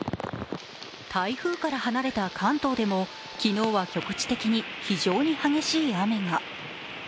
台風から離れた関東でも昨日は局地的に非常に激しい雨が。